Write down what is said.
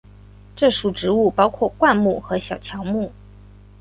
这属植物包括灌木和小乔木。